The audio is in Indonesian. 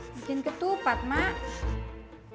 bikin ketupat mak